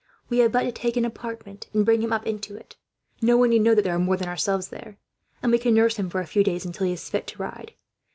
We have but to take an apartment, and bring him up into it. No one need know that there are more than ourselves there, and we can nurse him for a few days, until he is fit to ride.